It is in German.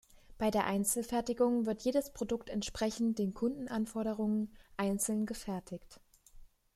Bei der Einzelfertigung wird jedes Produkt entsprechend den Kundenanforderungen einzeln gefertigt.